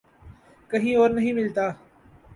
کہیں اور نہیں ملتا۔